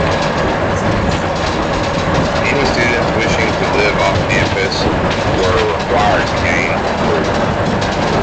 Any students wishing to live off campus were required to gain approval.